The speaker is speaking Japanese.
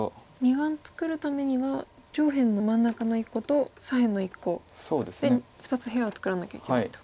２眼作るためには上辺の真ん中の１個と左辺の１個で２つ部屋を作らなきゃいけないと。